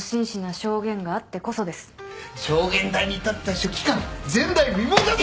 証言台に立った書記官前代未聞だぞ！